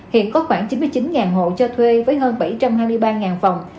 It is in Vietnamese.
hiện có khoảng chín mươi chín hộ cho thuê với hơn bảy trăm hai mươi ba phòng